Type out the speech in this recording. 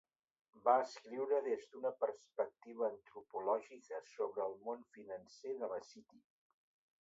Va escriure des d'una perspectiva antropològica sobre el món financer de la City.